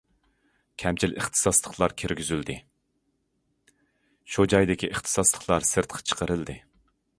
كەمچىل ئىختىساسلىقلار كىرگۈزۈلدى، شۇ جايدىكى ئىختىساسلىقلار سىرتقا چىقىرىلدى.